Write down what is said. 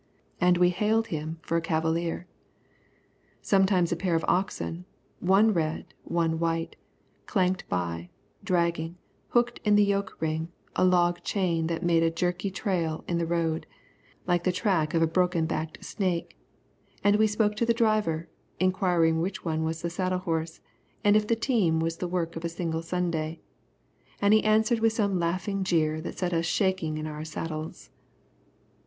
And we hailed him for a cavalier. Sometimes a pair of oxen, one red, one white, clanked by, dragging, hooked in the yoke ring, a log chain that made a jerky trail in the road, like the track of a broken backed snake, and we spoke to the driver, inquiring which one was the saddle horse, and if the team worked single of a Sunday. And he answered with some laughing jeer that set us shaking in our saddles.